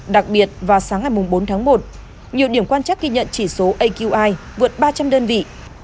đặc biệt vào sáng ngày bốn tháng một nhiều điểm quan trắc ghi nhận chỉ số aqi vượt ba trăm linh đơn vị